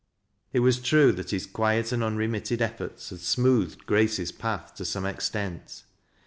It was true that his quiet and unremitted efforts had smoothed Grace's path to some extent.